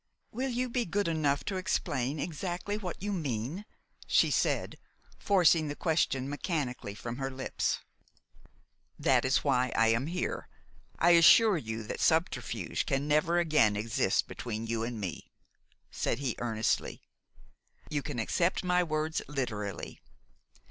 "Will you be good enough to explain exactly what you mean?" she said, forcing the question mechanically from her lips. "That is why I am here. I assure you that subterfuge can never again exist between you and me," said he earnestly. "You can accept my words literally.